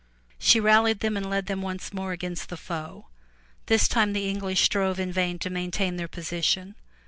She rallied them and led them once more against the foe. This time the English strove in vain to maintain their position.